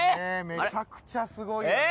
めちゃくちゃすごいよね。